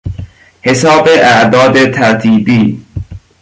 حساب اعداد ترتیبی